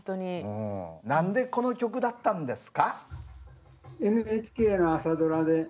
何でこの曲だったんですか？